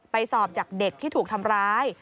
สอบจากเด็กที่ถูกทำร้าย